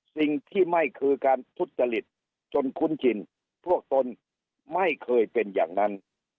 สิ่งที่ไม่คือการทุจริตจนคุ้นชินพวกตนไม่เคยเป็นอย่างนั้น